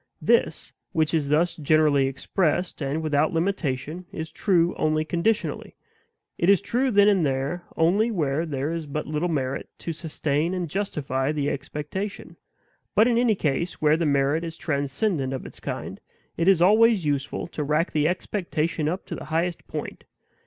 This, which is thus generally expressed, and without limitation, is true only conditionally; it is true then and there only where there is but little merit to sustain and justify the expectation. But in any case where the merit is transcendent of its kind, it is always useful to rack the expectation up to the highest point.